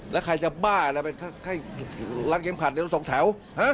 แล้วใครจะบ้าอะไรไปรัดเกมขัดที่๒แถว